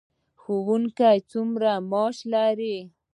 ښوونکي څومره معاش لري؟